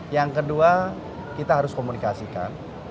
yang kedua kita harus komunikasikan